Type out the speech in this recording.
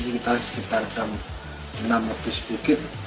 kita sekitar jam enam habis bukit